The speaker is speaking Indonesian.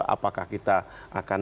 apakah kita akan